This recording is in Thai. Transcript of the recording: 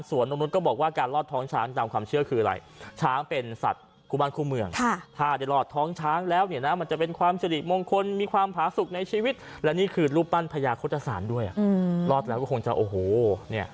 ส่วนที่อ่างทองไปอยู่ที่บริเวณเรือนเพชรพลอย